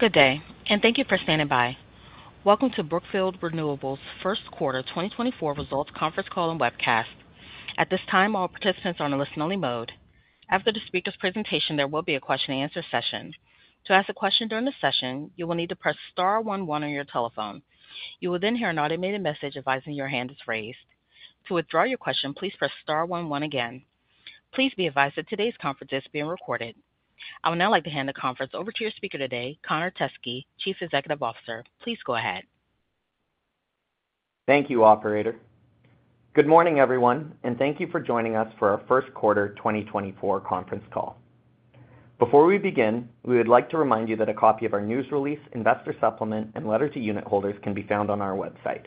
Good day, and thank you for standing by. Welcome to Brookfield Renewable's First Quarter 2024 Results Conference Call and Webcast. At this time, all participants are in a listen-only mode. After the speaker's presentation, there will be a question-and-answer session. To ask a question during the session, you will need to press star one one your telephone. You will then hear an automated message advising your hand is raised. To withdraw your question, please press star one one again. Please be advised that today's conference is being recorded. I would now like to hand the conference over to your speaker today, Connor Teskey, Chief Executive Officer. Please go ahead. Thank you, Operator. Good morning, everyone, and thank you for joining us for our first quarter 2024 conference call. Before we begin, we would like to remind you that a copy of our news release, investor supplement, and letter to unit holders can be found on our website.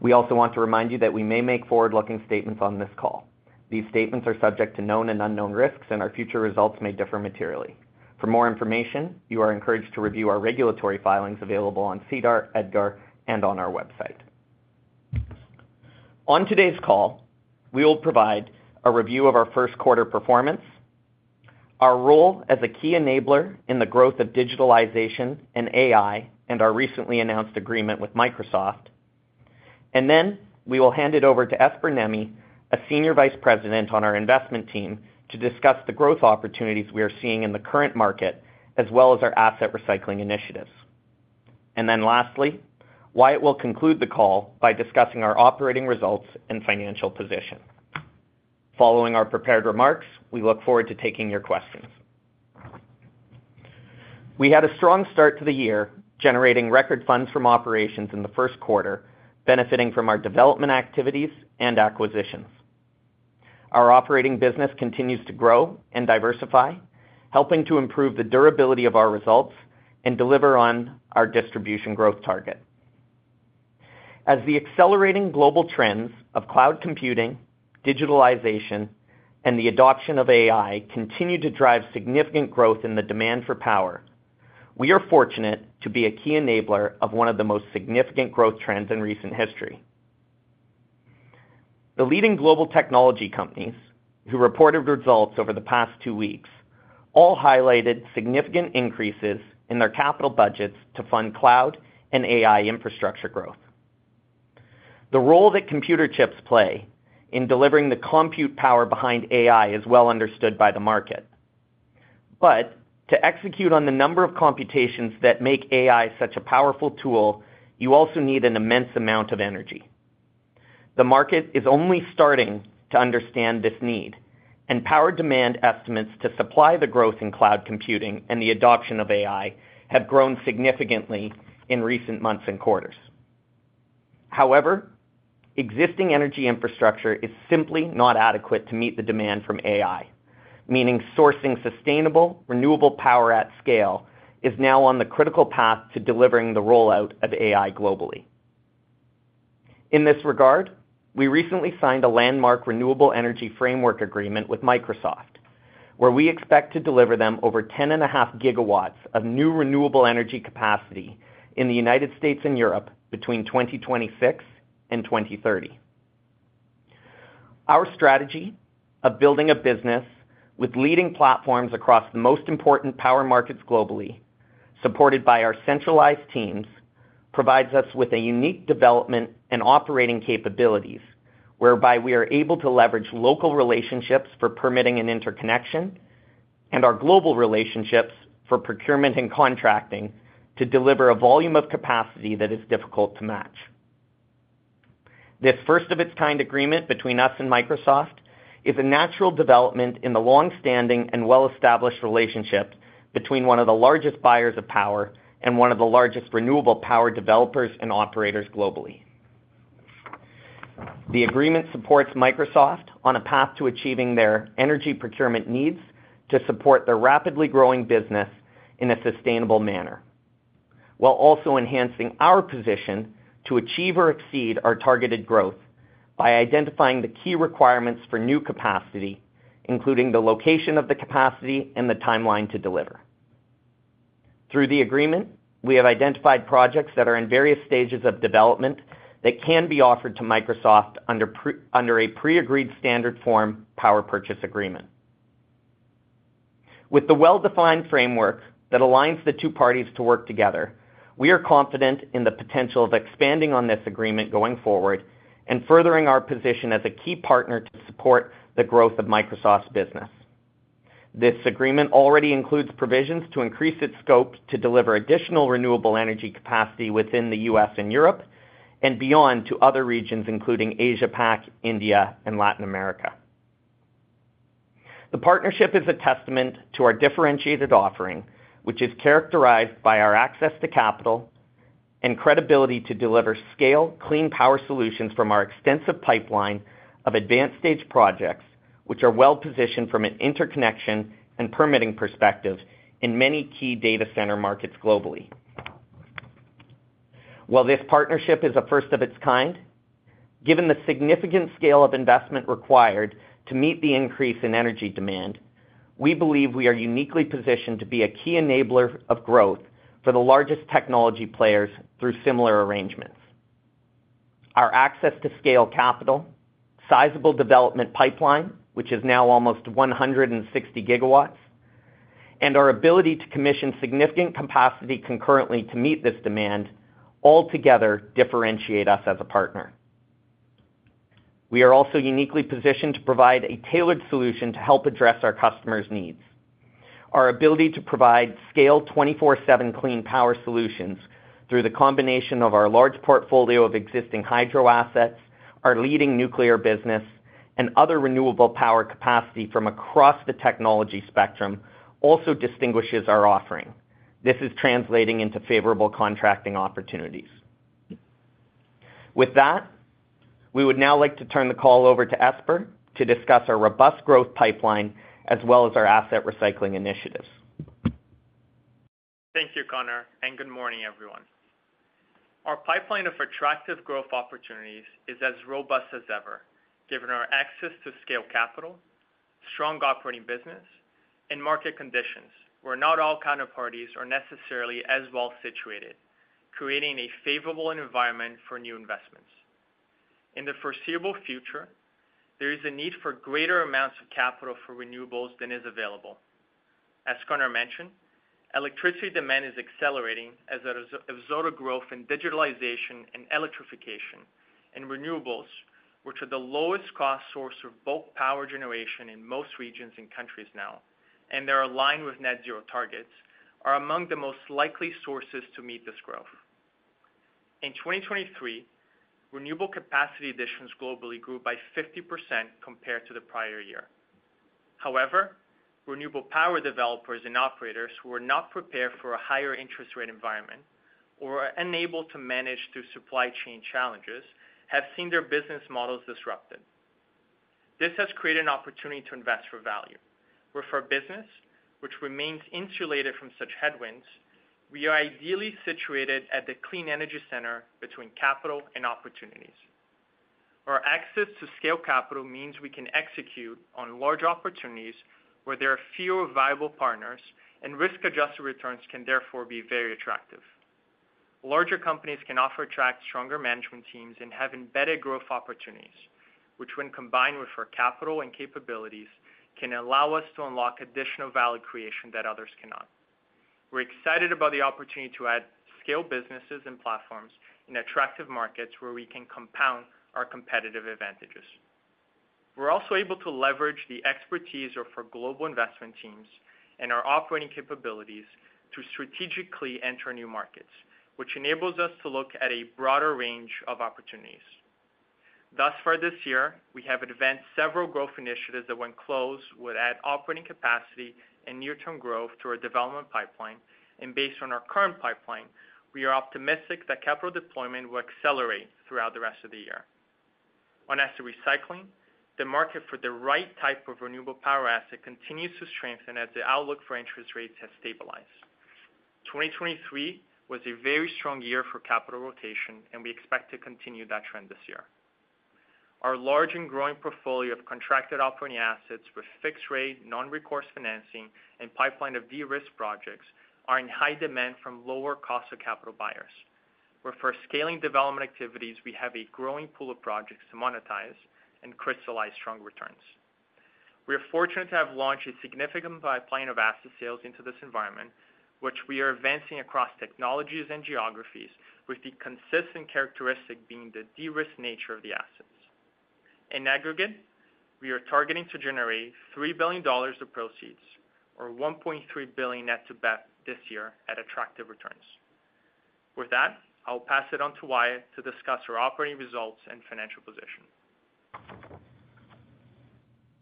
We also want to remind you that we may make forward-looking statements on this call. These statements are subject to known and unknown risks, and our future results may differ materially. For more information, you are encouraged to review our regulatory filings available on SEDAR, EDGAR, and on our website. On today's call, we will provide a review of our first quarter performance, our role as a key enabler in the growth of digitalization and AI, and our recently announced agreement with Microsoft. And then we will hand it over to Esper Nemi, a Senior Vice President on our investment team, to discuss the growth opportunities we are seeing in the current market as well as our asset recycling initiatives. And then lastly, Wyatt will conclude the call by discussing our operating results and financial position. Following our prepared remarks, we look forward to taking your questions. We had a strong start to the year generating record funds from Operations in the first quarter, benefiting from our development activities and acquisitions. Our operating business continues to grow and diversify, helping to improve the durability of our results and deliver on our distribution growth target. As the accelerating global trends of cloud computing, digitalization, and the adoption of AI continue to drive significant growth in the demand for power, we are fortunate to be a key enabler of one of the most significant growth trends in recent history. The leading global technology companies who reported results over the past two weeks all highlighted significant increases in their capital budgets to fund cloud and AI infrastructure growth. The role that computer chips play in delivering the compute power behind AI is well understood by the market. But to execute on the number of computations that make AI such a powerful tool, you also need an immense amount of energy. The market is only starting to understand this need, and power demand estimates to supply the growth in cloud computing and the adoption of AI have grown significantly in recent months and quarters. However, existing energy infrastructure is simply not adequate to meet the demand from AI, meaning sourcing sustainable, renewable power at scale is now on the critical path to delivering the rollout of AI globally. In this regard, we recently signed a landmark renewable energy framework agreement with Microsoft, where we expect to deliver them over 10.5 gigawatts of new renewable energy capacity in the United States and Europe between 2026 and 2030. Our strategy of building a business with leading platforms across the most important power markets globally, supported by our centralized teams, provides us with a unique development and operating capabilities whereby we are able to leverage local relationships for permitting an interconnection and our global relationships for procurement and contracting to deliver a volume of capacity that is difficult to match. This first-of-its-kind agreement between us and Microsoft is a natural development in the long-standing and well-established relationship between one of the largest buyers of power and one of the largest renewable power developers and operators globally. The agreement supports Microsoft on a path to achieving their energy procurement needs to support their rapidly growing business in a sustainable manner, while also enhancing our position to achieve or exceed our targeted growth by identifying the key requirements for new capacity, including the location of the capacity and the timeline to deliver. Through the agreement, we have identified projects that are in various stages of development that can be offered to Microsoft under a pre-agreed standard form power purchase agreement. With the well-defined framework that aligns the two parties to work together, we are confident in the potential of expanding on this agreement going forward and furthering our position as a key partner to support the growth of Microsoft's business. This agreement already includes provisions to increase its scope to deliver additional renewable energy capacity within the U.S. and Europe and beyond to other regions including Asia-Pac, India, and Latin America. The partnership is a testament to our differentiated offering, which is characterized by our access to capital and credibility to deliver scale, clean power solutions from our extensive pipeline of advanced-stage projects, which are well-positioned from an interconnection and permitting perspective in many key data center markets globally. While this partnership is a first of its kind, given the significant scale of investment required to meet the increase in energy demand, we believe we are uniquely positioned to be a key enabler of growth for the largest technology players through similar arrangements. Our access to scale capital, sizable development pipeline, which is now almost 160 GW, and our ability to commission significant capacity concurrently to meet this demand all together differentiate us as a partner. We are also uniquely positioned to provide a tailored solution to help address our customers' needs. Our ability to provide scale 24/7 clean power solutions through the combination of our large portfolio of existing hydro assets, our leading nuclear business, and other renewable power capacity from across the technology spectrum also distinguishes our offering. This is translating into favorable contracting opportunities. With that, we would now like to turn the call over to Esper to discuss our robust growth pipeline as well as our asset recycling initiatives. Thank you, Connor, and good morning, everyone. Our pipeline of attractive growth opportunities is as robust as ever, given our access to scale capital, strong operating business, and market conditions where not all counterparties are necessarily as well situated, creating a favorable environment for new investments. In the foreseeable future, there is a need for greater amounts of capital for renewables than is available. As Connor mentioned, electricity demand is accelerating as a result of growth in digitalization and electrification, and renewables, which are the lowest cost source of bulk power generation in most regions and countries now and are aligned with net-zero targets, are among the most likely sources to meet this growth. In 2023, renewable capacity additions globally grew by 50% compared to the prior year. However, renewable power developers and operators who are not prepared for a higher interest rate environment or are unable to manage through supply chain challenges have seen their business models disrupted. This has created an opportunity to invest for value, where for a business which remains insulated from such headwinds, we are ideally situated at the clean energy center between capital and opportunities. Our access to scale capital means we can execute on large opportunities where there are fewer viable partners, and risk-adjusted returns can therefore be very attractive. Larger companies can offer attractive stronger management teams and have embedded growth opportunities, which when combined with our capital and capabilities can allow us to unlock additional value creation that others cannot. We're excited about the opportunity to add scale businesses and platforms in attractive markets where we can compound our competitive advantages. We're also able to leverage the expertise of our global investment teams and our operating capabilities to strategically enter new markets, which enables us to look at a broader range of opportunities. Thus, for this year, we have advanced several growth initiatives that when closed would add operating capacity and near-term growth to our development pipeline, and based on our current pipeline, we are optimistic that capital deployment will accelerate throughout the rest of the year. On asset recycling, the market for the right type of renewable power asset continues to strengthen as the outlook for interest rates has stabilized. 2023 was a very strong year for capital rotation, and we expect to continue that trend this year. Our large and growing portfolio of contracted operating assets with fixed rate, non-recourse financing, and pipeline of de-risk projects are in high demand from lower-cost-of-capital buyers, where for scaling development activities we have a growing pool of projects to monetize and crystallize strong returns. We are fortunate to have launched a significant pipeline of asset sales into this environment, which we are advancing across technologies and geographies, with the consistent characteristic being the de-risk nature of the assets. In aggregate, we are targeting to generate $3 billion of proceeds, or $1.3 billion net-to-BEP, this year at attractive returns. With that, I will pass it on to Wyatt to discuss our operating results and financial position.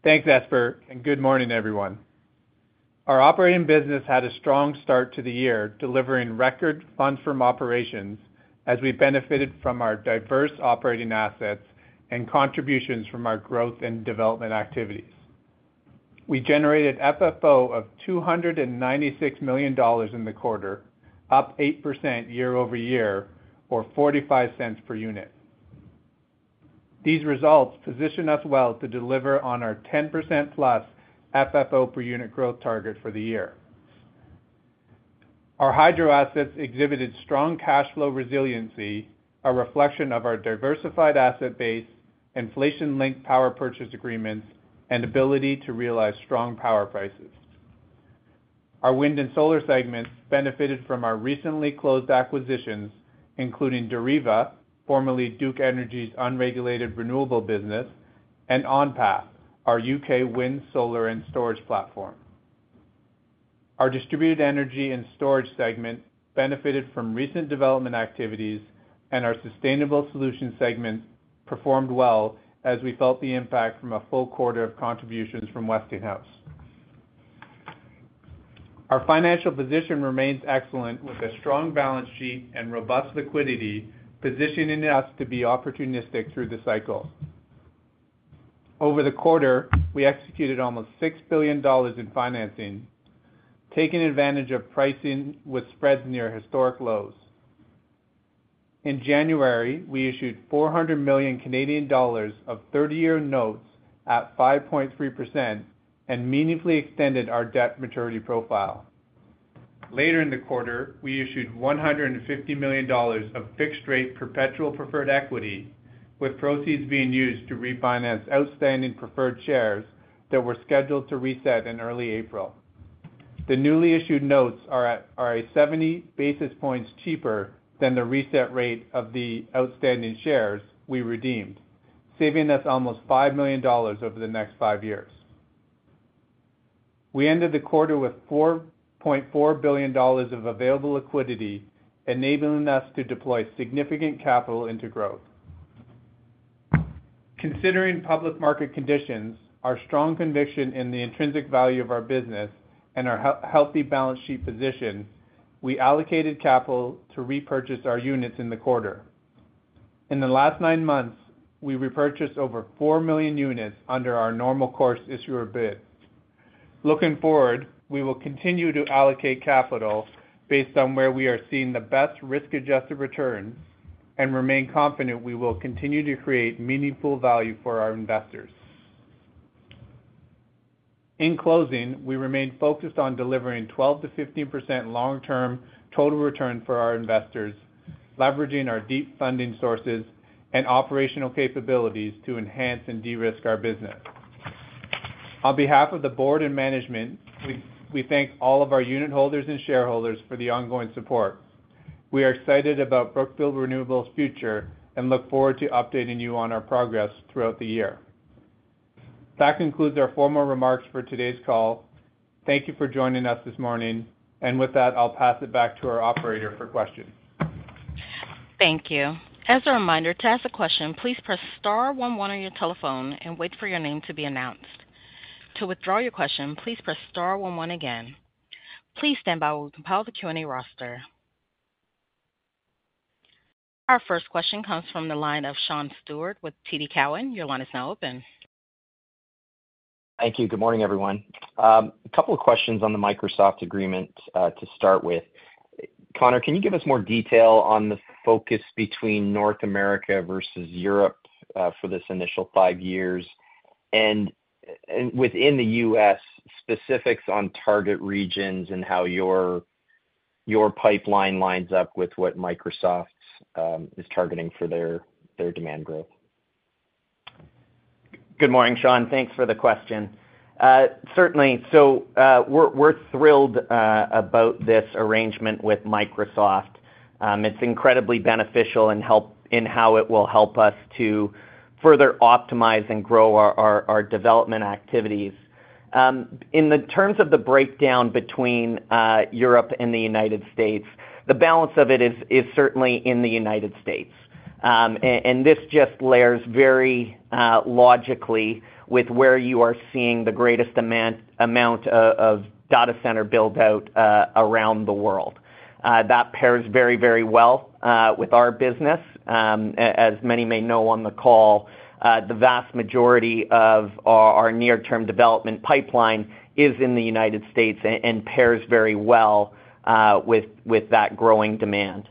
Thanks, Esper, and good morning, everyone. Our operating business had a strong start to the year delivering record funds from operations as we benefited from our diverse operating assets and contributions from our growth and development activities. We generated FFO of $296 million in the quarter, up 8% year-over-year, or $0.45 per unit. These results position us well to deliver on our 10%+ FFO per unit growth target for the year. Our hydro assets exhibited strong cash flow resiliency, a reflection of our diversified asset base, inflation-linked power purchase agreements, and ability to realize strong power prices. Our wind and solar segments benefited from our recently closed acquisitions, including Deriva, formerly Duke Energy's unregulated renewable business, and OnPath, our UK wind, solar, and storage platform. Our distributed energy and storage segment benefited from recent development activities, and our sustainable solutions segment performed well as we felt the impact from a full quarter of contributions from Westinghouse. Our financial position remains excellent with a strong balance sheet and robust liquidity positioning us to be opportunistic through the cycle. Over the quarter, we executed almost $6 billion in financing, taking advantage of pricing with spreads near historic lows. In January, we issued 400 million Canadian dollars of 30-year notes at 5.3% and meaningfully extended our debt maturity profile. Later in the quarter, we issued $150 million of fixed-rate perpetual preferred equity, with proceeds being used to refinance outstanding preferred shares that were scheduled to reset in early April. The newly issued notes are 70 basis points cheaper than the reset rate of the outstanding shares we redeemed, saving us almost $5 million over the next five years. We ended the quarter with $4.4 billion of available liquidity, enabling us to deploy significant capital into growth. Considering public market conditions, our strong conviction in the intrinsic value of our business and our healthy balance sheet position, we allocated capital to repurchase our units in the quarter. In the last nine months, we repurchased over 4 million units under our normal course issuer bid. Looking forward, we will continue to allocate capital based on where we are seeing the best risk-adjusted returns and remain confident we will continue to create meaningful value for our investors. In closing, we remain focused on delivering 12%-15% long-term total return for our investors, leveraging our deep funding sources and operational capabilities to enhance and de-risk our business. On behalf of the board and management, we thank all of our unit holders and shareholders for the ongoing support. We are excited about Brookfield Renewable's future and look forward to updating you on our progress throughout the year. That concludes our formal remarks for today's call. Thank you for joining us this morning, and with that, I'll pass it back to our operator for questions. Thank you. As a reminder, to ask a question, please press star 11 on your telephone and wait for your name to be announced. To withdraw your question, please press star one one again. Please stand by while we compile the Q&A roster. Our first question comes from the line of Sean Steuart with TD Cowen. Your line is now open. Thank you. Good morning, everyone. A couple of questions on the Microsoft agreement to start with. Connor, can you give us more detail on the focus between North America versus Europe for this initial five years and within the U.S., specifics on target regions and how your pipeline lines up with what Microsoft is targeting for their demand growth? Good morning, Sean. Thanks for the question. Certainly. So we're thrilled about this arrangement with Microsoft. It's incredibly beneficial in how it will help us to further optimize and grow our development activities. In terms of the breakdown between Europe and the United States, the balance of it is certainly in the United States. This just layers very logically with where you are seeing the greatest amount of data center buildout around the world. That pairs very, very well with our business. As many may know on the call, the vast majority of our near-term development pipeline is in the United States and pairs very well with that growing demand.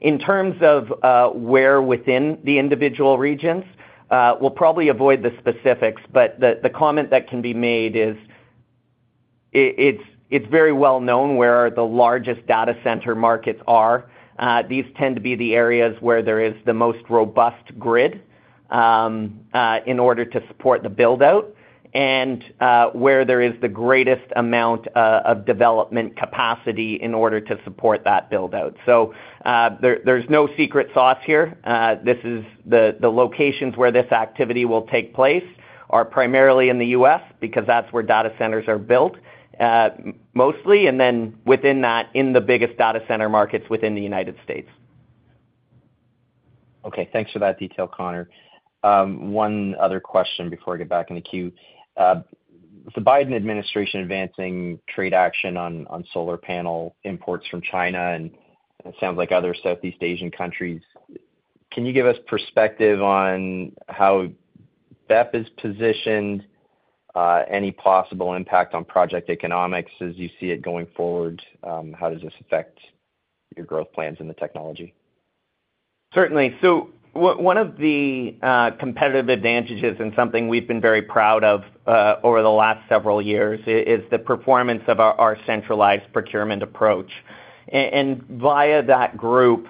In terms of where within the individual regions we'll probably avoid the specifics, but the comment that can be made is it's very well known where the largest data center markets are. These tend to be the areas where there is the most robust grid in order to support the buildout and where there is the greatest amount of development capacity in order to support that buildout. So there's no secret sauce here. The locations where this activity will take place are primarily in the U.S. because that's where data centers are built mostly, and then within that, in the biggest data center markets within the United States. Okay. Thanks for that detail, Connor. One other question before I get back in the queue. With the Biden administration advancing trade action on solar panel imports from China and it sounds like other Southeast Asian countries, can you give us perspective on how BEP is positioned, any possible impact on project economics as you see it going forward? How does this affect your growth plans in the technology? Certainly. So one of the competitive advantages and something we've been very proud of over the last several years is the performance of our centralized procurement approach. Via that group,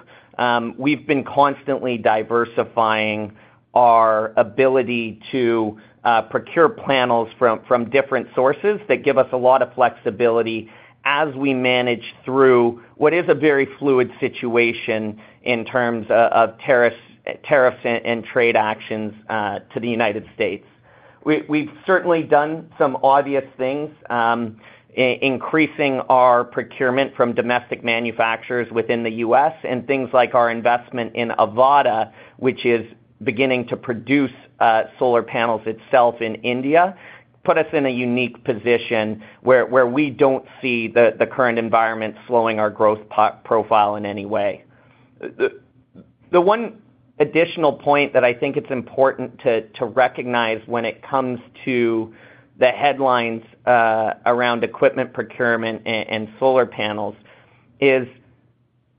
we've been constantly diversifying our ability to procure panels from different sources that give us a lot of flexibility as we manage through what is a very fluid situation in terms of tariffs and trade actions to the United States. We've certainly done some obvious things, increasing our procurement from domestic manufacturers within the U.S., and things like our investment in Avaada, which is beginning to produce solar panels itself in India, put us in a unique position where we don't see the current environment slowing our growth profile in any way. The one additional point that I think it's important to recognize when it comes to the headlines around equipment procurement and solar panels is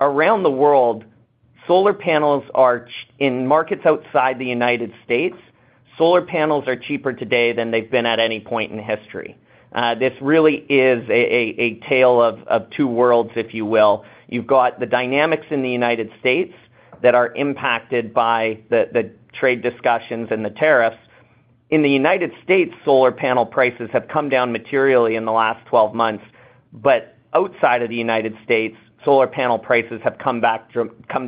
around the world, solar panels are in markets outside the United States, solar panels are cheaper today than they've been at any point in history. This really is a tale of two worlds, if you will. You've got the dynamics in the United States that are impacted by the trade discussions and the tariffs. In the United States, solar panel prices have come down materially in the last 12 months, but outside of the United States, solar panel prices have come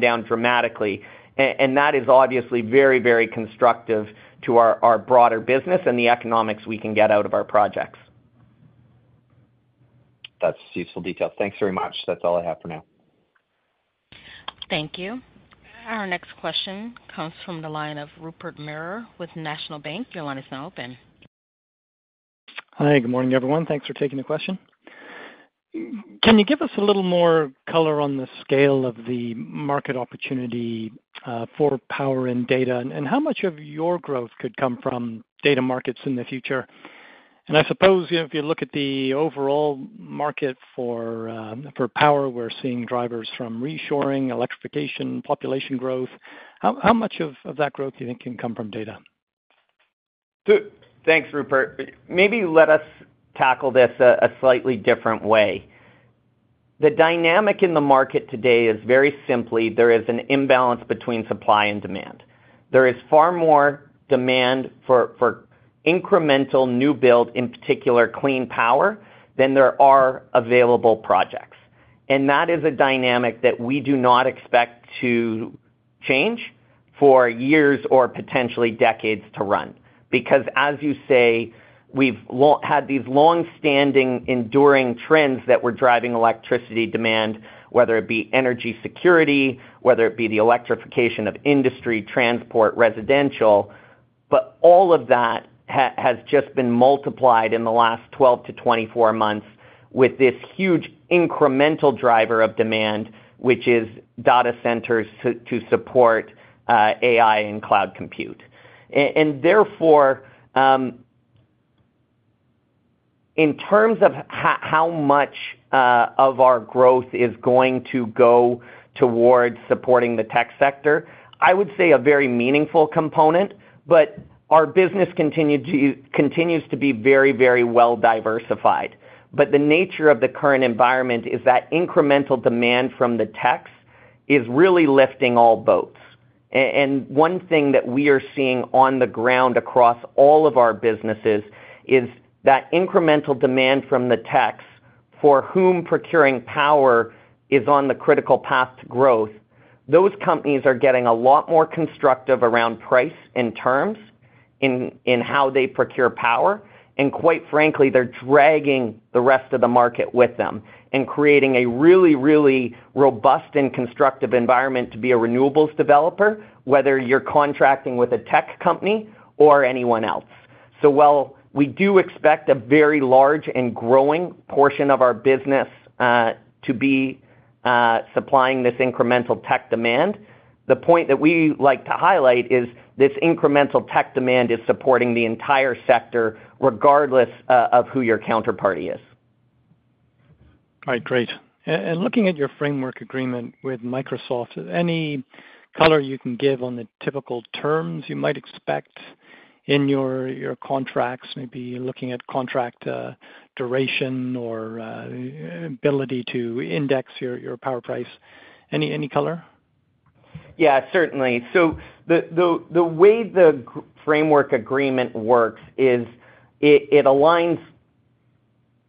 down dramatically. That is obviously very, very constructive to our broader business and the economics we can get out of our projects. That's useful detail. Thanks very much. That's all I have for now. Thank you. Our next question comes from the line of Rupert Merer with National Bank. Your line is now open. Hi. Good morning, everyone. Thanks for taking the question. Can you give us a little more color on the scale of the market opportunity for power and data, and how much of your growth could come from data markets in the future? And I suppose if you look at the overall market for power, we're seeing drivers from reshoring, electrification, population growth. How much of that growth do you think can come from data? Thanks, Rupert. Maybe let us tackle this a slightly different way. The dynamic in the market today is very simply there is an imbalance between supply and demand. There is far more demand for incremental new build, in particular clean power, than there are available projects. And that is a dynamic that we do not expect to change for years or potentially decades to run because, as you say, we've had these longstanding, enduring trends that were driving electricity demand, whether it be energy security, whether it be the electrification of industry, transport, residential, but all of that has just been multiplied in the last 12-24 months with this huge incremental driver of demand, which is data centers to support AI and cloud compute. And therefore, in terms of how much of our growth is going to go towards supporting the tech sector, I would say a very meaningful component, but our business continues to be very, very well diversified. But the nature of the current environment is that incremental demand from the techs is really lifting all boats. And one thing that we are seeing on the ground across all of our businesses is that incremental demand from the techs for whom procuring power is on the critical path to growth, those companies are getting a lot more constructive around price in terms of how they procure power. And quite frankly, they're dragging the rest of the market with them and creating a really, really robust and constructive environment to be a renewables developer, whether you're contracting with a tech company or anyone else. While we do expect a very large and growing portion of our business to be supplying this incremental tech demand, the point that we like to highlight is this incremental tech demand is supporting the entire sector regardless of who your counterparty is. All right. Great. And looking at your framework agreement with Microsoft, any color you can give on the typical terms you might expect in your contracts, maybe looking at contract duration or ability to index your power price? Any color? Yeah, certainly. So the way the framework agreement works is it aligns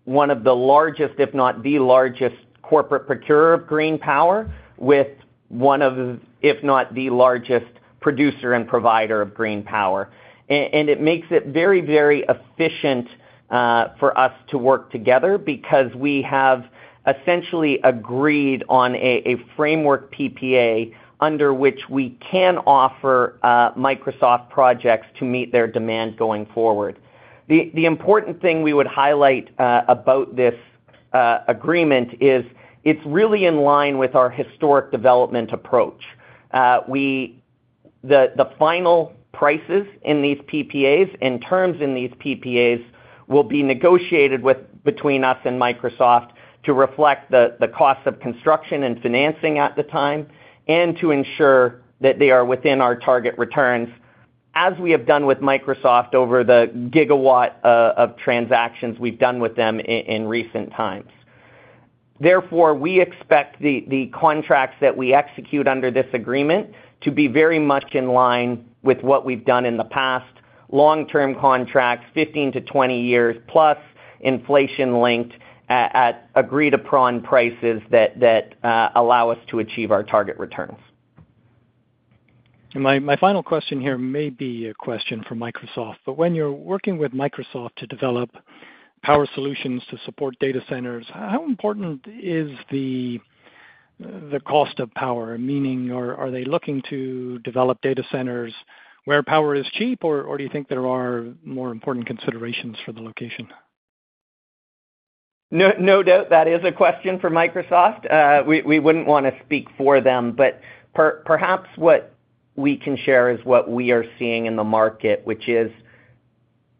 one of the largest, if not the largest, corporate procurer of green power with one of, if not the largest, producer and provider of green power. And it makes it very, very efficient for us to work together because we have essentially agreed on a framework PPA under which we can offer Microsoft projects to meet their demand going forward. The important thing we would highlight about this agreement is it's really in line with our historic development approach. The final prices in these PPAs, and terms in these PPAs, will be negotiated between us and Microsoft to reflect the cost of construction and financing at the time and to ensure that they are within our target returns as we have done with Microsoft over the 1 GW of transactions we've done with them in recent times. Therefore, we expect the contracts that we execute under this agreement to be very much in line with what we've done in the past, long-term contracts, 15-20 years plus inflation-linked at agreed-upon prices that allow us to achieve our target returns. My final question here may be a question for Microsoft. But when you're working with Microsoft to develop power solutions to support data centers, how important is the cost of power? Meaning, are they looking to develop data centers where power is cheap, or do you think there are more important considerations for the location? No doubt that is a question for Microsoft. We wouldn't want to speak for them. But perhaps what we can share is what we are seeing in the market, which is,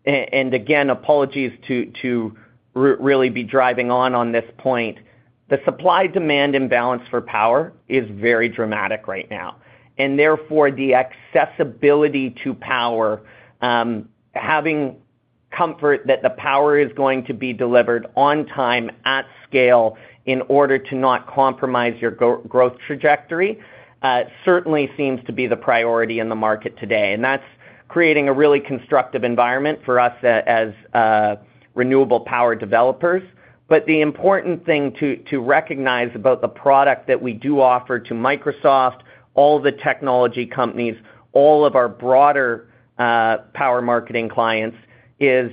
and again, apologies to really be driving on this point. The supply-demand imbalance for power is very dramatic right now. Therefore, the accessibility to power, having comfort that the power is going to be delivered on time, at scale, in order to not compromise your growth trajectory certainly seems to be the priority in the market today. And that's creating a really constructive environment for us as renewable power developers. But the important thing to recognize about the product that we do offer to Microsoft, all the technology companies, all of our broader power marketing clients is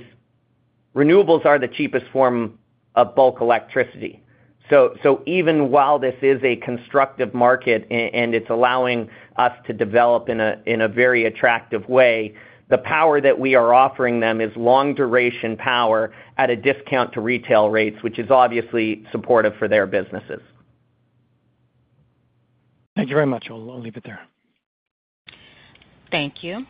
renewables are the cheapest form of bulk electricity. So even while this is a constructive market and it's allowing us to develop in a very attractive way, the power that we are offering them is long-duration power at a discount to retail rates, which is obviously supportive for their businesses. Thank you very much. I'll leave it there. Thank you.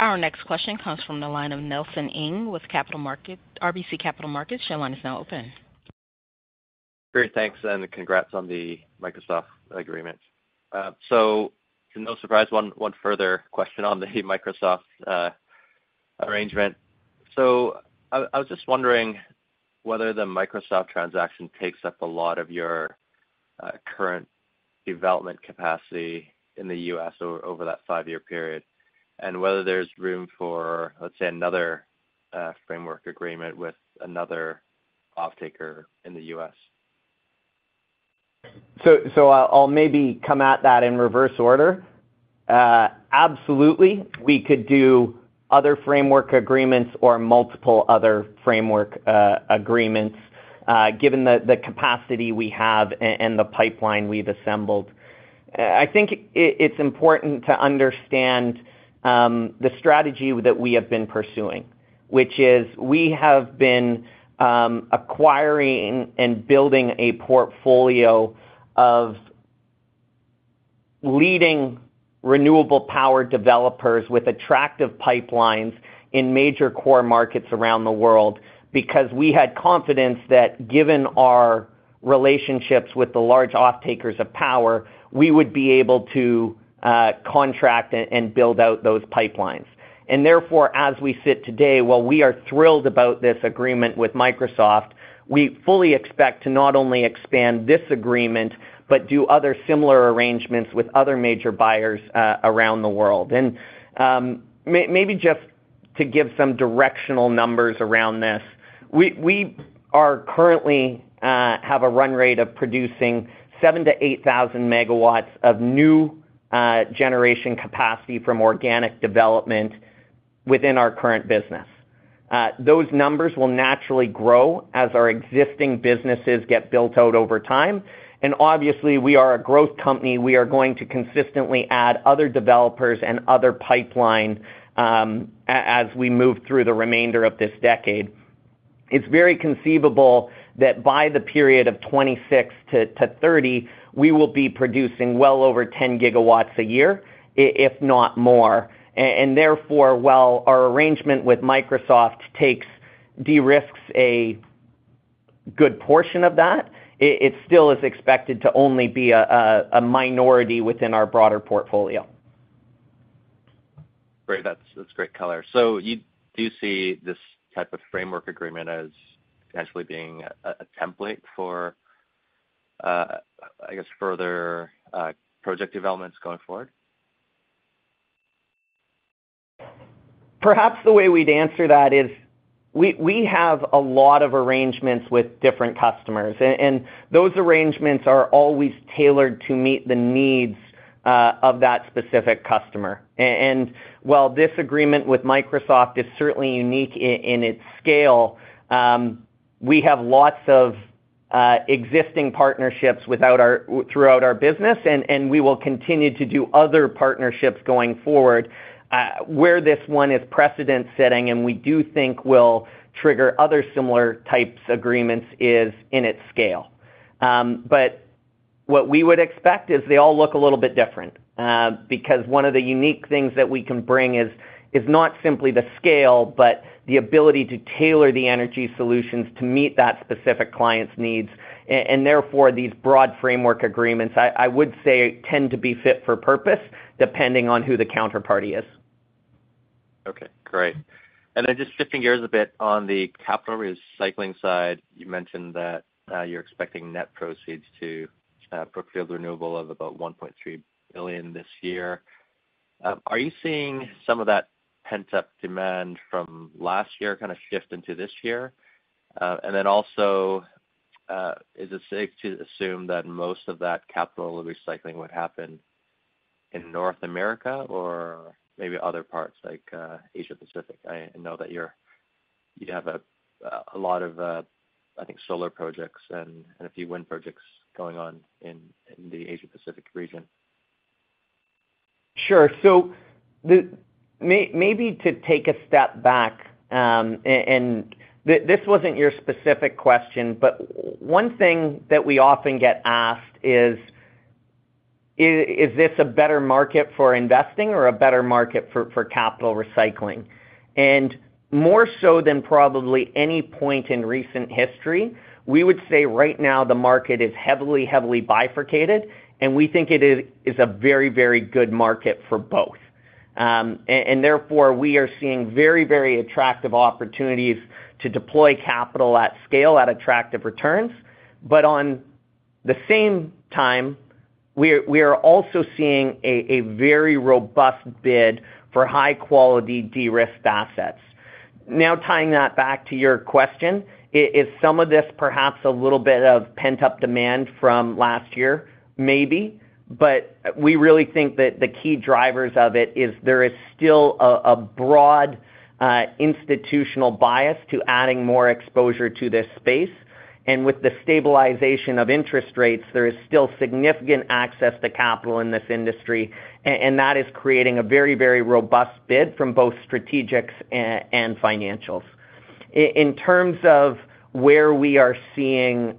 Our next question comes from the line of Nelson Ng with RBC Capital Markets. Your line is now open. Great. Thanks and congrats on the Microsoft agreement. So to no surprise, one further question on the Microsoft arrangement. So I was just wondering whether the Microsoft transaction takes up a lot of your current development capacity in the U.S. over that five-year period and whether there's room for, let's say, another framework agreement with another off taker in the U.S.? So I'll maybe come at that in reverse order. Absolutely. We could do other framework agreements or multiple other framework agreements given the capacity we have and the pipeline we've assembled. I think it's important to understand the strategy that we have been pursuing, which is we have been acquiring and building a portfolio of leading renewable power developers with attractive pipelines in major core markets around the world because we had confidence that given our relationships with the large offtakers of power, we would be able to contract and build out those pipelines. And therefore, as we sit today, while we are thrilled about this agreement with Microsoft, we fully expect to not only expand this agreement but do other similar arrangements with other major buyers around the world. Maybe just to give some directional numbers around this, we currently have a run rate of producing 7,000-8,000 megawatts of new generation capacity from organic development within our current business. Those numbers will naturally grow as our existing businesses get built out over time. And obviously, we are a growth company. We are going to consistently add other developers and other pipeline as we move through the remainder of this decade. It's very conceivable that by the period of 2026-2030, we will be producing well over 10 gigawatts a year, if not more. And therefore, while our arrangement with Microsoft de-risks a good portion of that, it still is expected to only be a minority within our broader portfolio. Great. That's great color. So you do see this type of framework agreement as potentially being a template for, I guess, further project developments going forward? Perhaps the way we'd answer that is we have a lot of arrangements with different customers. And those arrangements are always tailored to meet the needs of that specific customer. And while this agreement with Microsoft is certainly unique in its scale, we have lots of existing partnerships throughout our business. And we will continue to do other partnerships going forward. Where this one is precedent-setting and we do think will trigger other similar types of agreements is in its scale. But what we would expect is they all look a little bit different because one of the unique things that we can bring is not simply the scale but the ability to tailor the energy solutions to meet that specific client's needs. And therefore, these broad framework agreements, I would say, tend to be fit for purpose depending on who the counterparty is. Okay. Great. And then just shifting gears a bit on the capital recycling side, you mentioned that you're expecting net proceeds to proceed with renewable of about $1.3 billion this year. Are you seeing some of that pent-up demand from last year kind of shift into this year? And then also, is it safe to assume that most of that capital recycling would happen in North America or maybe other parts like Asia-Pacific? I know that you have a lot of, I think, solar projects and a few wind projects going on in the Asia-Pacific region. Sure. So maybe to take a step back and this wasn't your specific question, but one thing that we often get asked is, "Is this a better market for investing or a better market for capital recycling?" And more so than probably any point in recent history, we would say right now the market is heavily, heavily bifurcated. And we think it is a very, very good market for both. And therefore, we are seeing very, very attractive opportunities to deploy capital at scale at attractive returns. But on the same time, we are also seeing a very robust bid for high-quality de-risked assets. Now tying that back to your question, is some of this perhaps a little bit of pent-up demand from last year? Maybe. But we really think that the key drivers of it is there is still a broad institutional bias to adding more exposure to this space. With the stabilization of interest rates, there is still significant access to capital in this industry. That is creating a very, very robust bid from both strategics and financials. In terms of where we are seeing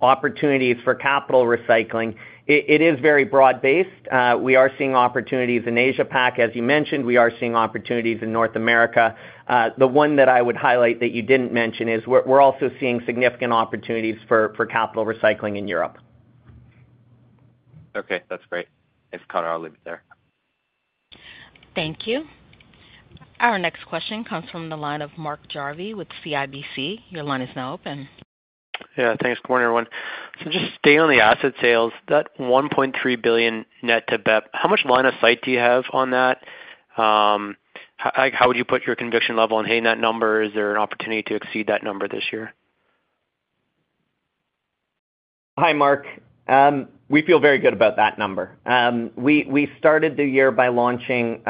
opportunities for capital recycling, it is very broad-based. We are seeing opportunities in Asia-Pac, as you mentioned. We are seeing opportunities in North America. The one that I would highlight that you didn't mention is we're also seeing significant opportunities for capital recycling in Europe. Okay. That's great. If caught it, I'll leave it there. Thank you. Our next question comes from the line of Mark Jarvi with CIBC. Your line is now open. Yeah. Thanks. Good morning, everyone. So just staying on the asset sales, that $1.3 billion net to BEP, how much line of sight do you have on that? How would you put your conviction level on, "Hey, in that number, is there an opportunity to exceed that number this year? Hi, Mark. We feel very good about that number. We started the year by launching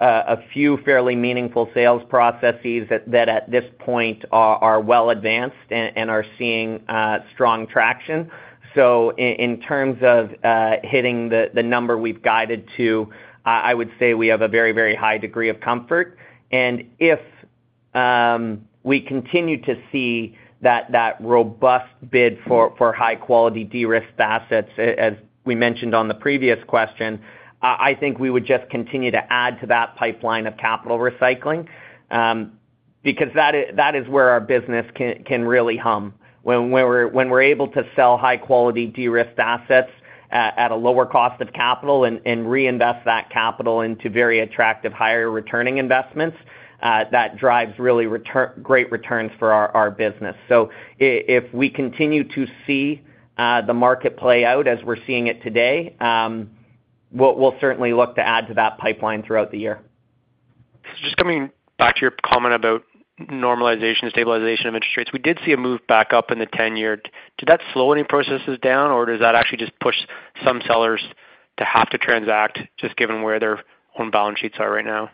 a few fairly meaningful sales processes that at this point are well advanced and are seeing strong traction. So in terms of hitting the number we've guided to, I would say we have a very, very high degree of comfort. And if we continue to see that robust bid for high-quality de-risked assets, as we mentioned on the previous question, I think we would just continue to add to that pipeline of capital recycling because that is where our business can really hum. When we're able to sell high-quality de-risked assets at a lower cost of capital and reinvest that capital into very attractive, higher-returning investments, that drives really great returns for our business. If we continue to see the market play out as we're seeing it today, we'll certainly look to add to that pipeline throughout the year. Just coming back to your comment about normalization, stabilization of interest rates, we did see a move back up in the 10-year. Did that slow any processes down, or does that actually just push some sellers to have to transact just given where their own balance sheets are right now?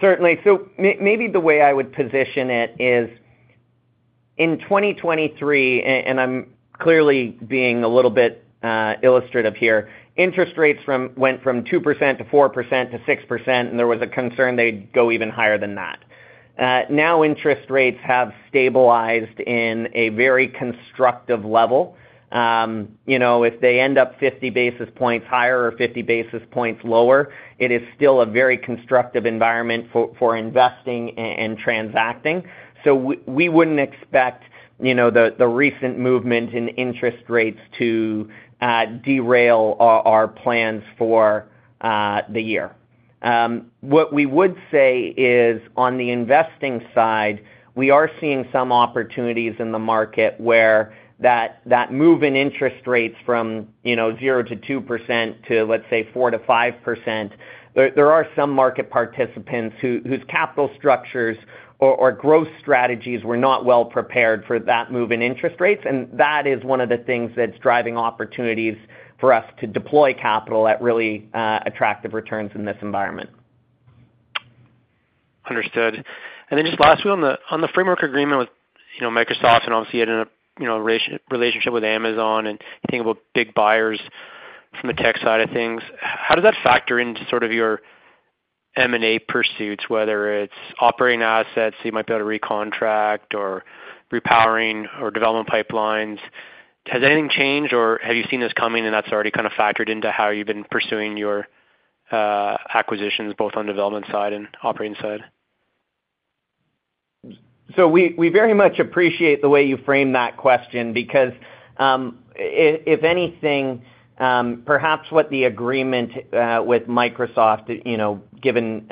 Certainly. So maybe the way I would position it is in 2023, and I'm clearly being a little bit illustrative here, interest rates went from 2% to 4% to 6%. And there was a concern they'd go even higher than that. Now, interest rates have stabilized in a very constructive level. If they end up 50 basis points higher or 50 basis points lower, it is still a very constructive environment for investing and transacting. So we wouldn't expect the recent movement in interest rates to derail our plans for the year. What we would say is, on the investing side, we are seeing some opportunities in the market where that move in interest rates from 0-2% to, let's say, 4%-5%, there are some market participants whose capital structures or growth strategies were not well prepared for that move in interest rates. That is one of the things that's driving opportunities for us to deploy capital at really attractive returns in this environment. Understood. And then just lastly, on the framework agreement with Microsoft and obviously you had a relationship with Amazon and you think about big buyers from the tech side of things, how does that factor into sort of your M&A pursuits, whether it's operating assets so you might be able to recontract or repowering or development pipelines? Has anything changed, or have you seen this coming, and that's already kind of factored into how you've been pursuing your acquisitions both on development side and operating side? We very much appreciate the way you framed that question because, if anything, perhaps what the agreement with Microsoft, given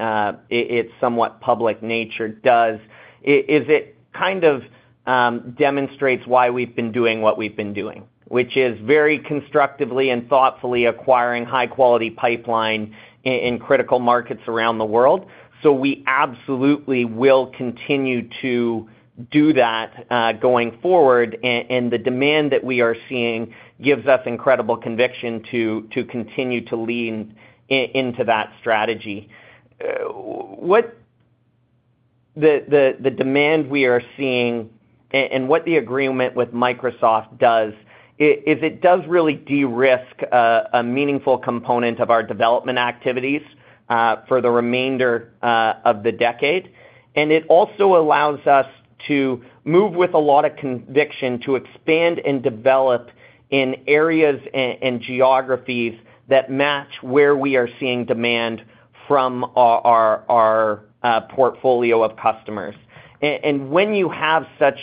its somewhat public nature, does is it kind of demonstrates why we've been doing what we've been doing, which is very constructively and thoughtfully acquiring high-quality pipeline in critical markets around the world. We absolutely will continue to do that going forward. The demand that we are seeing gives us incredible conviction to continue to lean into that strategy. The demand we are seeing and what the agreement with Microsoft does is it does really de-risk a meaningful component of our development activities for the remainder of the decade. It also allows us to move with a lot of conviction to expand and develop in areas and geographies that match where we are seeing demand from our portfolio of customers. When you have such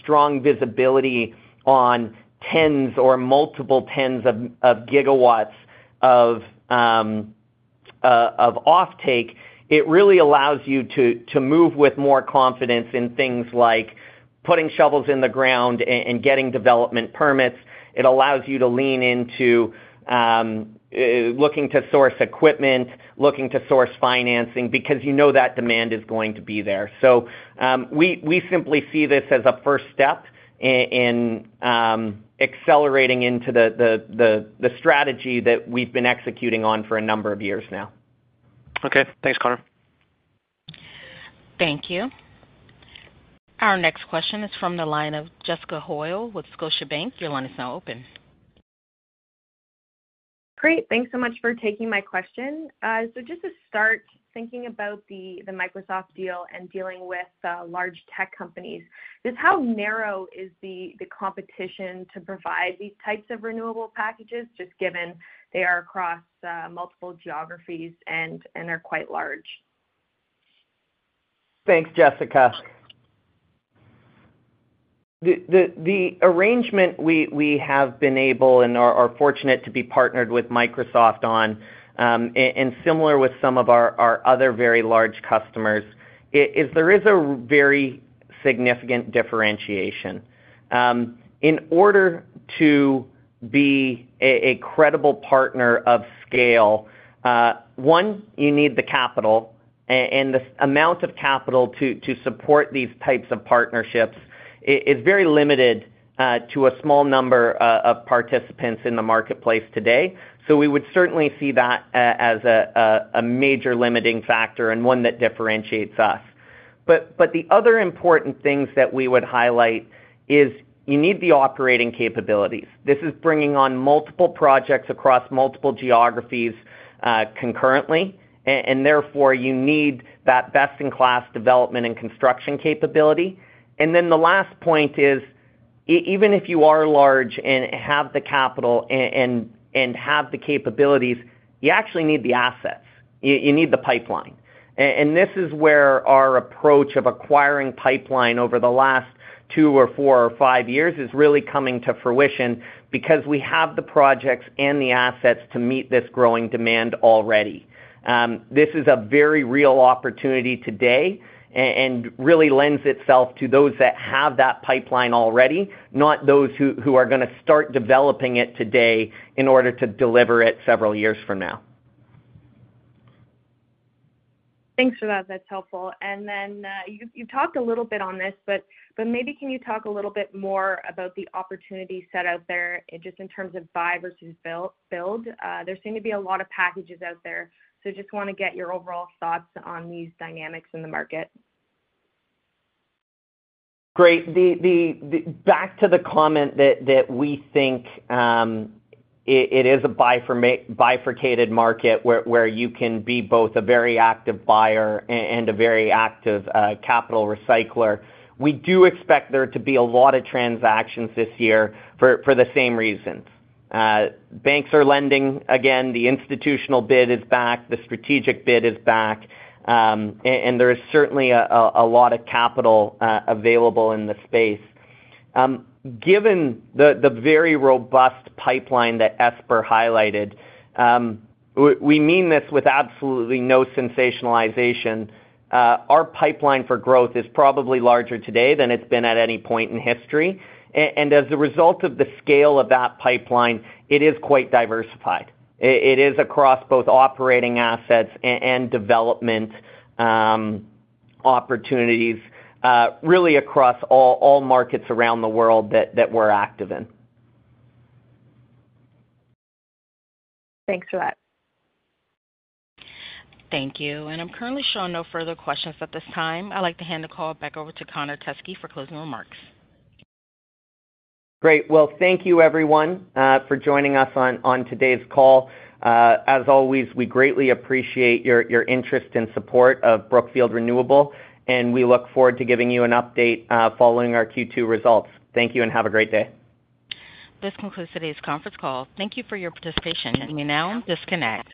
strong visibility on tens or multiple tens of gigawatts of offtake, it really allows you to move with more confidence in things like putting shovels in the ground and getting development permits. It allows you to lean into looking to source equipment, looking to source financing because you know that demand is going to be there. So we simply see this as a first step in accelerating into the strategy that we've been executing on for a number of years now. Okay. Thanks, Connor. Thank you. Our next question is from the line of Jessica Hoyle with Scotiabank. Your line is now open. Great. Thanks so much for taking my question. Just to start thinking about the Microsoft deal and dealing with large tech companies, just how narrow is the competition to provide these types of renewable packages just given they are across multiple geographies and they're quite large? Thanks, Jessica. The arrangement we have been able and are fortunate to be partnered with Microsoft on, and similar with some of our other very large customers, is there is a very significant differentiation. In order to be a credible partner of scale, one, you need the capital. The amount of capital to support these types of partnerships is very limited to a small number of participants in the marketplace today. So we would certainly see that as a major limiting factor and one that differentiates us. The other important things that we would highlight is you need the operating capabilities. This is bringing on multiple projects across multiple geographies concurrently. Therefore, you need that best-in-class development and construction capability. Then the last point is even if you are large and have the capital and have the capabilities, you actually need the assets. You need the pipeline. This is where our approach of acquiring pipeline over the last two or four or five years is really coming to fruition because we have the projects and the assets to meet this growing demand already. This is a very real opportunity today and really lends itself to those that have that pipeline already, not those who are going to start developing it today in order to deliver it several years from now. Thanks for that. That's helpful. Then you've talked a little bit on this, but maybe can you talk a little bit more about the opportunities set out there just in terms of buy versus build? There seem to be a lot of packages out there. Just want to get your overall thoughts on these dynamics in the market. Great. Back to the comment that we think it is a bifurcated market where you can be both a very active buyer and a very active capital recycler. We do expect there to be a lot of transactions this year for the same reasons. Banks are lending. Again, the institutional bid is back. The strategic bid is back. There is certainly a lot of capital available in the space. Given the very robust pipeline that Esper highlighted, we mean this with absolutely no sensationalization. Our pipeline for growth is probably larger today than it's been at any point in history. And as a result of the scale of that pipeline, it is quite diversified. It is across both operating assets and development opportunities, really across all markets around the world that we're active in. Thanks for that. Thank you. I'm currently showing no further questions at this time. I'd like to hand the call back over to Connor Teskey for closing remarks. Great. Well, thank you, everyone, for joining us on today's call. As always, we greatly appreciate your interest and support of Brookfield Renewable. And we look forward to giving you an update following our Q2 results. Thank you, and have a great day. This concludes today's conference call. Thank you for your participation. You may now disconnect.